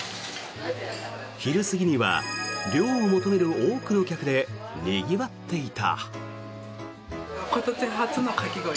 昼過ぎには涼を求める多くの客でにぎわっていた。